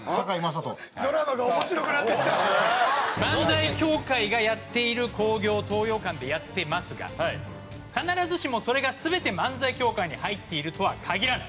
漫才協会がやっている興行東洋館でやってますが必ずしもそれが全て漫才協会に入っているとは限らない。